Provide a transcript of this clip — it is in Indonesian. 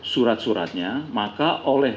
surat suratnya maka oleh